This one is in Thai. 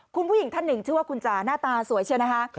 คุณผู้หญิงท่านหนึ่งชื่อว่าคุณจ๋าหน้าตาสวยเชียวนะคะ